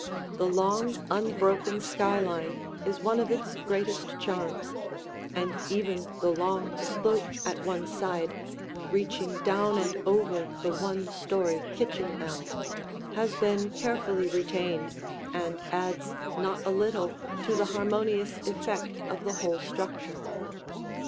The long, unbroken skyline is one of its greatest charms, and even the long slope at one side, reaching down and over the one story kitchen ell, has been carefully retained and adds not a little to the harmonious effect of the whole structure.